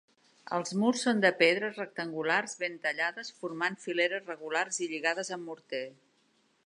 Els murs són de pedres rectangulars ben tallades formant fileres regulars i lligades amb morter.